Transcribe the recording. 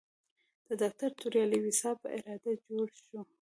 د ډاکټر توریالي ویسا په اراده جوړ شوی.